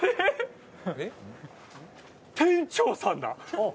店長さんだ！